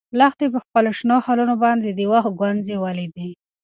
لښتې په خپلو شنو خالونو باندې د وخت ګونځې ولیدې.